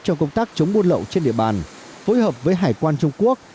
cho công tác chống buôn lậu trên địa bàn phối hợp với hải quan trung quốc